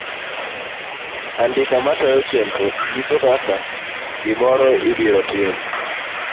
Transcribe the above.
Andika matayo chenrno ng'iso kaka gi moro ibiro tim.